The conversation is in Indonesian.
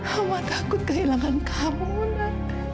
mama takut kehilangan kamu mama